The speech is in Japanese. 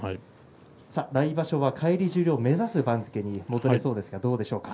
来場所は返り十両を目指す番付です、どうですか。